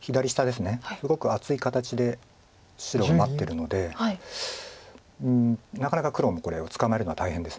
すごく厚い形で白が待ってるのでなかなか黒もこれを捕まえるのは大変です。